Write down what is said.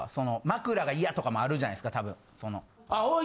枕が嫌とかもあるじゃないですか多分。